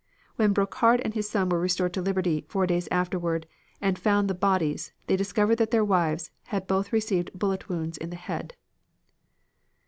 When Brocard and his son were restored to liberty, four days afterward, and found the bodies, they discovered that their wives had both received bullet wounds in the head.